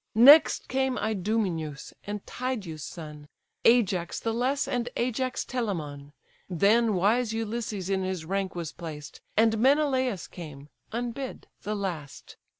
Next came Idomeneus, and Tydeus' son, Ajax the less, and Ajax Telamon; Then wise Ulysses in his rank was placed; And Menelaus came, unbid, the last.